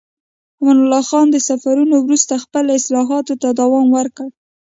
امان الله خان د سفرونو وروسته خپلو اصلاحاتو ته دوام ورکړ.